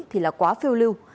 thì là quá phiêu lưu